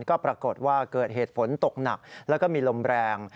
ก็ปรากฏว่าเกิดเหตุฝนตกหนักแล้วก็มีลมแรง